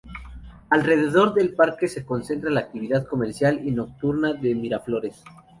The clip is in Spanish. Alrededor del parque se concentra la actividad comercial y nocturna de Miraflores.